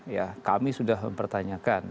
ya kami sudah mempertanyakan